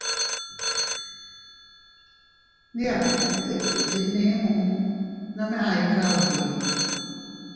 Ndi a innu iyuu se gne muʼu, nome a ikaa ubi.